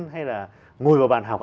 hay là ngồi vào bàn học